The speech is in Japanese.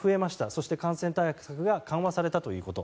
そして、感染対策が緩和されたということ。